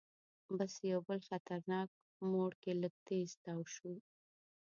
بس یو بل خطرناک موړ کې لږ تیز تاو شو.